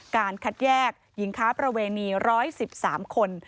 การคัดแยกหญิงค้าประเวณี๑๑๓คน